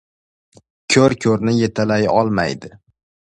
• Ko‘r ko‘rni yetalay olmaydi.